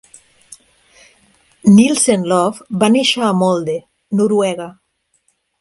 Nilssen-Love va néixer a Molde (Noruega).